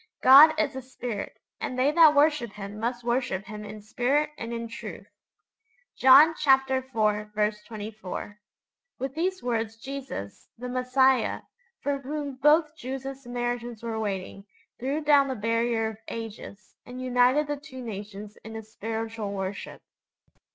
'God is a Spirit: and they that worship Him must worship Him in spirit and in truth.' (John iv. 24.) With these words Jesus, the Messiah, for whom both Jews and Samaritans were waiting, threw down the barrier of ages, and united the two nations in a spiritual worship.